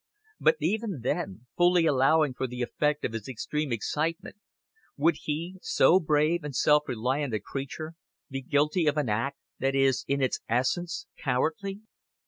But, even then, fully allowing for the effect of his extreme excitement, would he, so brave and self reliant a creature, be guilty of an act that is in its essence cowardly?